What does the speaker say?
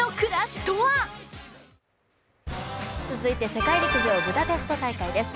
世界陸上ブダペスト大会です。